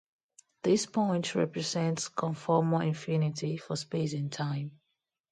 These points represent "conformal infinity" for space and time.